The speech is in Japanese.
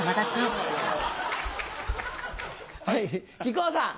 はい木久扇さん。